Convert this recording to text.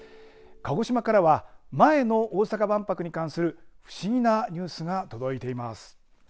鹿児島からは前の大阪万博に関する不思議なニュースが届いています。